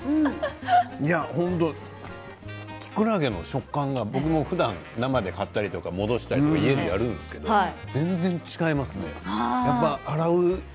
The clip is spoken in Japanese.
本当きくらげの食感が僕もふだん生で買ったり戻したりとか家でやるんですけど全然違いますね。